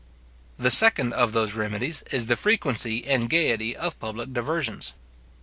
The second of those remedies is the frequency and gaiety of public diversions.